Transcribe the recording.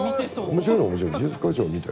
面白いのは面白い。